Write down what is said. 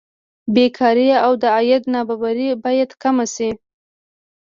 بېکاري او د عاید نابرابري باید کمه شي.